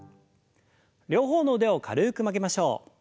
両方の腕を軽く曲げましょう。